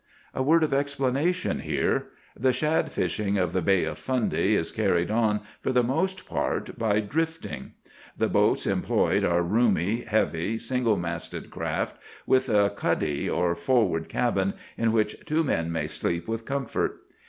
"A word of explanation here. The shad fishing of the Bay of Fundy is carried on, for the most part, by 'drifting.' The boats employed are roomy, heavy, single masted craft, with a 'cuddy,' or forward cabin, in which two men may sleep with comfort.